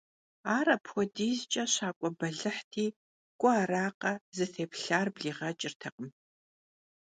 Ar apxuedizç'e şak'ue belıhti, k'uearakhe, zıtêplhar bliğeç'ırtekhım.